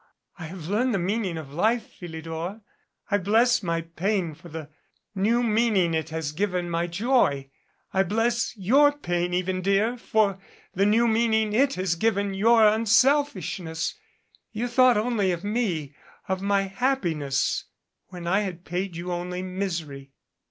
I have learned the meaning of life, Philidor. I bless my pain for the new meaning it has given my joy. I bless your paia even, dear, for the new meaning it has given your unselfishness. You thought only of me, of my happiness when I had paid you only misery."